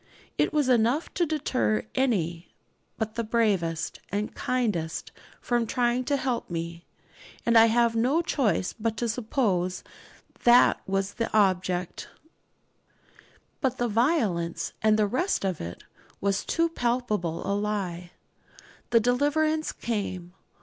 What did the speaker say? It was enough to deter any but the bravest and kindliest from trying to help me; and I have no choice but to suppose that that was the object. But the 'violence,' and the rest of it, was too palpable a lie. The deliverance came.